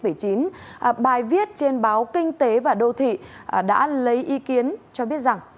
bài viết trên báo kinh tế và đô thị đã lấy ý kiến cho biết rằng